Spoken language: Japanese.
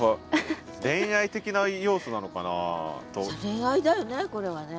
恋愛だよねこれはね。